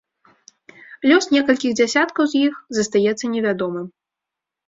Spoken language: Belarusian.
Лёс некалькіх дзясяткаў з іх застаецца невядомым.